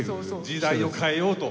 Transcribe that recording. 時代を変えようと。